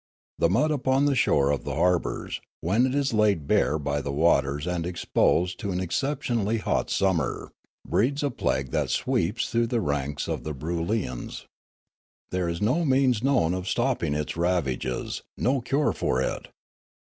The mud upon the shore of the harbours, when it is laid bare by the waters and exposed to an exceptionally hot summer, breeds a plague that sweeps through the ranks of the Broolyians. There is no means known of stopping its ravages, no cure for it.